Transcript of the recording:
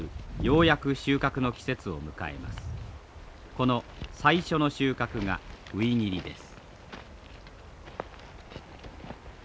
この最初の収穫がウイギリです。